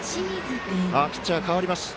ピッチャー、代わりますね。